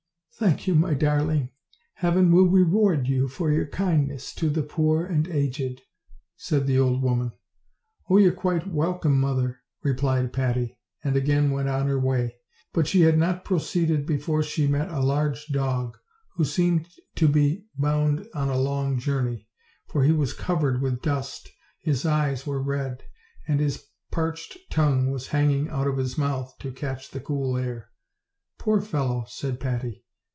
"Thank you, my darling. Heaven will reward you for your kindness to the poor and aged," said the old woman. "Oh! you're quite welcome, mother," replied Patty, and again went on her way; but she had not proceeded far before she met a large dog, who seemed to be bouo<J 18 OLD, OLD FAIR7 TALES. on a long journey, for he was covered with dust, his eyes were red, and his parched tongue was hanging out of his mouth, to catch the cool air. "Poor fellow!" said Patty.